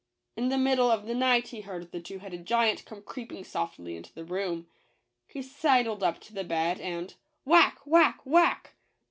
In the middle of the night he heard the two headed giant come creeping softly into the room. He sidled up to the bed and —" Whack !— Whack !— Whack